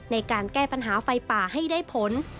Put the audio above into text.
ในการแก้ปัญหาไฟป่าให้ได้ผล